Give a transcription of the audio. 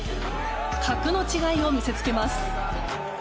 格の違いを見せつけます。